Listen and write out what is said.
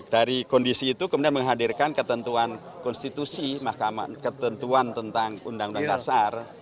dari kondisi itu kemudian menghadirkan ketentuan konstitusi ketentuan tentang undang undang dasar